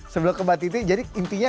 sebelum ke mbak titi jadi intinya